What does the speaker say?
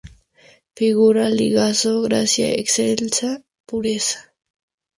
Finura, ligazón, gracia, excelsa pureza.